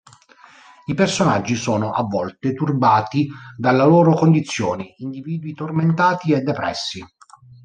I personaggi sono a volte turbati dalla loro condizione, individui tormentati e depressi.